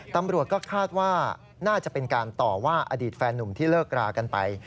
ตำรวจก็คาดว่าน่าจะเป็นการต่อว่าอดีตแฟนนุ่มที่เลิกรากันไป